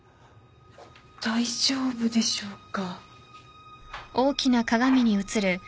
大丈夫でしょうか？